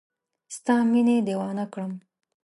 ستا مینې دیوانه کړم